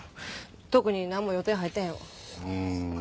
特になんも予定入ってへんわ。